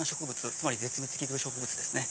つまり絶滅危惧植物ですね